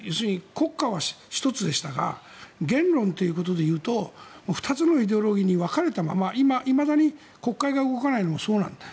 国家は１つでしたが言論ということでいうと２つのイデオロギーに分かれたままいまだに国会が動かないのはそうなんだと。